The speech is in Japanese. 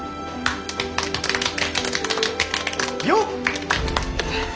よっ！